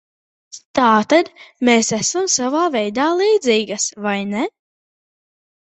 Tātad, mēs esam savā veidā līdzīgas, vai ne?